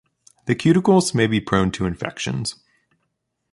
The cuticles may be prone to infections.